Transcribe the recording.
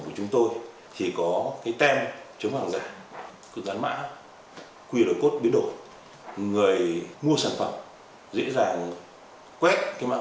của chúng tôi thì có cái tem chống hàng giả dán mã qr code biến đổi người mua sản phẩm dễ dàng quét cái mạng